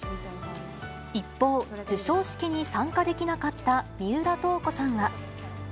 一方、授賞式に参加できなかった三浦透子さんは。